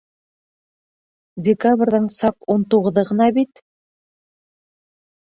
Декабрҙең саҡ ун туғыҙы ғына бит.